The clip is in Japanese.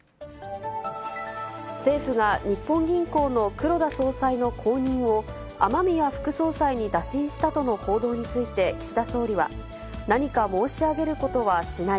政府が日本銀行の黒田総裁の後任を雨宮副総裁に打診したとの報道について岸田総理は、何か申し上げることはしない。